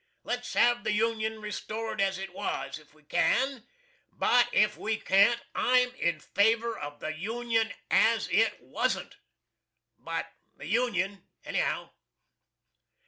Let's have the Union restored as it was, if we can; but if we can't, I'M IN FAVOR OF THE UNION AS IT WASN'T. But the Union, anyhow.